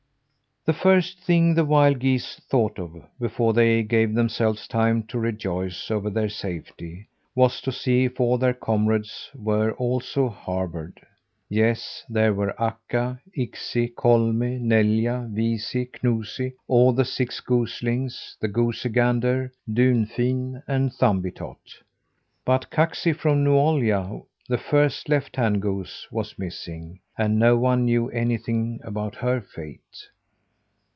The first thing the wild geese thought of before they gave themselves time to rejoice over their safety was to see if all their comrades were also harboured. Yes, there were Akka, Iksi, Kolmi, Nelja, Viisi, Knusi, all the six goslings, the goosey gander, Dunfin and Thumbietot; but Kaksi from Nuolja, the first left hand goose, was missing and no one knew anything about her fate.